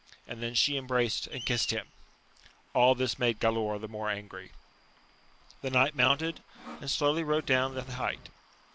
and then she embraced and kissed him. All this made Galaor the more angry. The knight mounted, and slowly rode down the height.